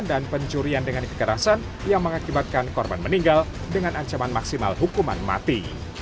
dan pencurian dengan kekerasan yang mengakibatkan korban meninggal dengan ancaman maksimal hukuman mati